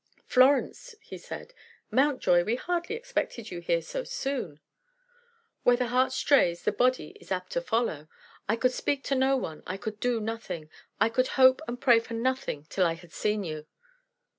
"Florence!" he said. "Mountjoy! We hardly expected you here so soon." "Where the heart strays the body is apt to follow. I could speak to no one, I could do nothing, I could hope and pray for nothing till I had seen you."